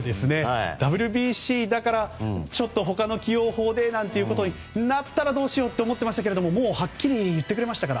ＷＢＣだからちょっと他の起用法でとなったらどうしようと思ってましたけれどももうはっきり言ってくれましたから。